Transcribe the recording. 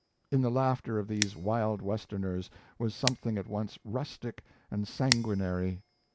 In the laughter of these wild Westerners was something at once rustic and sanguinary.